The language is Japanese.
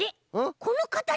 このかたち？